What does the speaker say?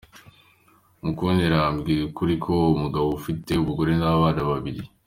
Mukuntereta yambwije ukuri ko ari umugabo ufite umugore n’abana babiri .